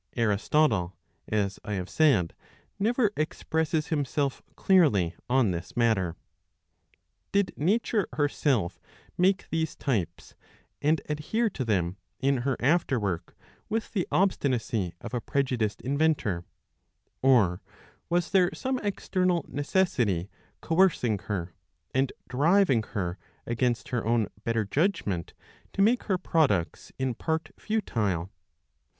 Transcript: ^ Aristotle, as I have said, never expresses himself clearly on this matter. Did Nature herself make these types, and adhere to them in her after work with the obstinacy of a prejudiced inventor ; or, was there some external necessity coercing her, and driving her against her own better judgment to make her products in part futile